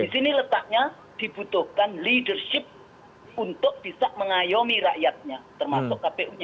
di sini letaknya dibutuhkan leadership untuk bisa mengayomi rakyatnya termasuk kpu nya